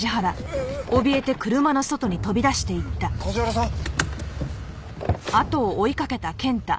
梶原さん？